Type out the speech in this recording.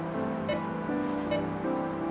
maurel dan mas